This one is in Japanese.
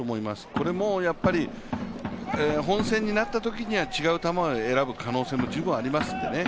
これも本戦になったときには違う球を選ぶ可能性も十分ありますんでね。